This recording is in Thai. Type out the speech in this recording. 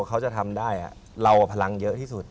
ผมชอบทำนะ